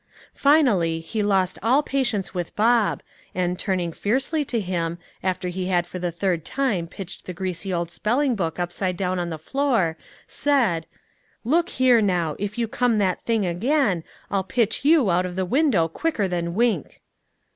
Finally, he lost all patience with Bob, and, turning fiercely to him, after he had for the third time pitched the greasy old spelling book upside down on the floor, said, "Look here, now, if you come that thing again, I'll pitch you out of the window quicker than wink!"